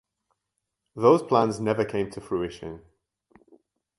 Those plans never came to fruition.